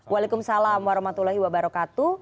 waalaikumsalam warahmatullahi wabarakatuh